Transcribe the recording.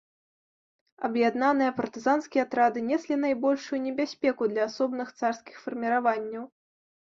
Аб'яднаныя партызанскія атрады неслі найбольшую небяспеку для асобных царскіх фарміраванняў.